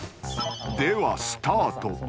［ではスタート］